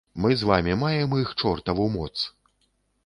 Мы з вамі маем іх чортаву моц.